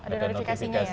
ada notifikasi ya